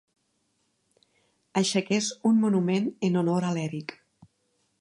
Aixequés un monument en honor a l'Èric.